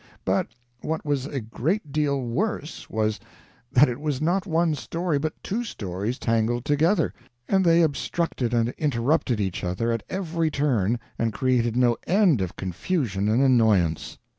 But what was a great deal worse was, that it was not one story, but two stories tangled together; and they obstructed and interrupted each other at every turn and created no end of confusion and annoyance.